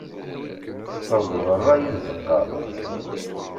Teffeɣ-d berra i tzeqqa.